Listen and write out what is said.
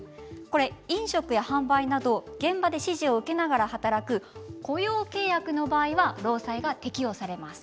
飲食や販売など現場で指示を受けながら働く雇用契約の場合は労災は適用されます。